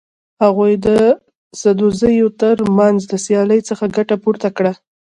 هغوی د سدوزیو تر منځ د سیالۍ څخه ګټه پورته کړه.